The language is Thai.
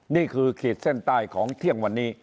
ขีดเส้นใต้ของเที่ยงวันนี้